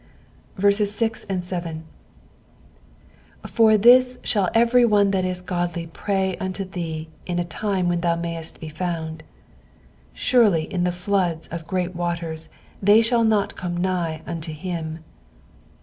6 For this shall every one that is godly pray unto thee in a time when thou mayest be found : surely in the floods of great waters they shall not come nigh unto him.